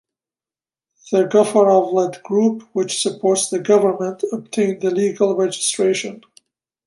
The Ghafarov-led group, which supports the government, obtained the legal registration.